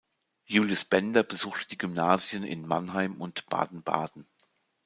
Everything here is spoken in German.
Julius Bender besuchte die Gymnasien in Mannheim und Baden-Baden.